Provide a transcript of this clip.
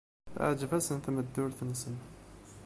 Teɛjeb-asen tmeddurt-nsen.